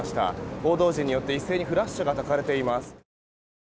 報道陣によって一斉にフラッシュがたかれています。